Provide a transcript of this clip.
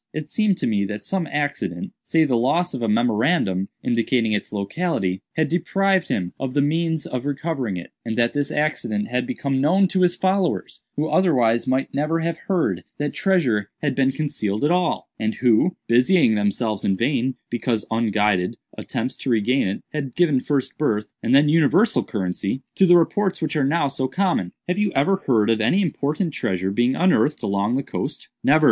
It seemed to me that some accident—say the loss of a memorandum indicating its locality—had deprived him of the means of recovering it, and that this accident had become known to his followers, who otherwise might never have heard that treasure had been concealed at all, and who, busying themselves in vain, because unguided attempts, to regain it, had given first birth, and then universal currency, to the reports which are now so common. Have you ever heard of any important treasure being unearthed along the coast?" "Never."